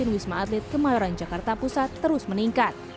wisma atlet kemayoran jakarta pusat terus meningkat